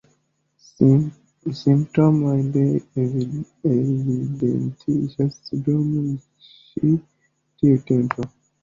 Simptomoj ne evidentiĝas dum ĉi tiu tempo.